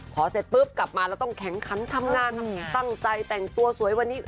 เสร็จปุ๊บกลับมาแล้วต้องแข็งขันทำงานตั้งใจแต่งตัวสวยวันนี้